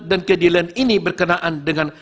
dan keadilan ini berkenaan dengan